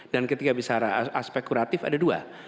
dan ketika bicara aspek kuratif ada dua